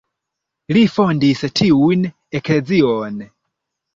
Li fondis tiun eklezion.